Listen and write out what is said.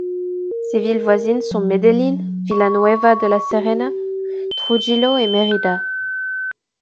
Ses villes voisines sont Medellín, Villanueva de la Serena, Trujillo et Merida.